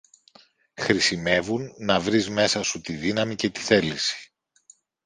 Χρησιμεύουν να βρεις μέσα σου τη δύναμη και τη θέληση